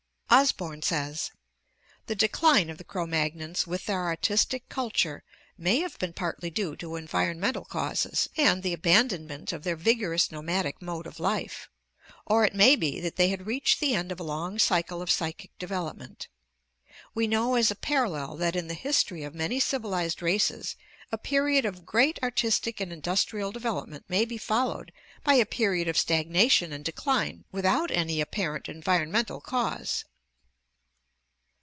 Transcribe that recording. Osborn says: The decline of the Cro Magnons, with F«> »«■— Skeleton of man their artistic culture, "may have been tSttSttSSZ partly due to environmental causes and new Mentonc (After VantmJ 684 ORGANIC EVOLUTION the abandonment of their vigorous nomadic mode of life, or it may be that they had reached the end of a long cycle of psychic development. ... We know as a parallel that in the history of many civilized races a period of great artistic and industrial development may be followed by a period of stagnation and de cline without any apparent environmental cause."